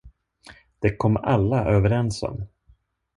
Det kom alla överens om.